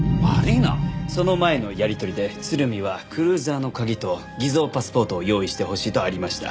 その前のやりとりで鶴見は「クルーザーの鍵と偽造パスポートを用意してほしい」とありました。